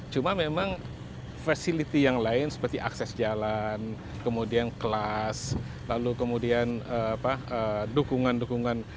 cuma memang facility yang lain seperti akses jalan kemudian kelas lalu kemudian dukungan dukungan